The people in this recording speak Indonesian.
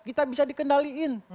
kita bisa dikendalikan